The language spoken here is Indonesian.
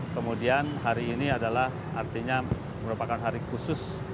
kemudian hari ini adalah artinya merupakan hari khusus